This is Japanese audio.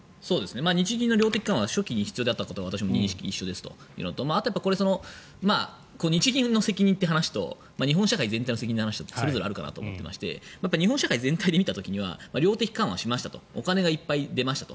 日銀の量的緩和初期に必要だったのは私も認識は一緒ですということと日銀の責任の話と日本社会全体の話の責任ってそれぞれあるかなと日本社会全体で見た時は量的緩和しましたとお金がいっぱい出ましたと。